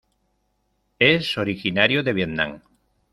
Es originario de Vietnam.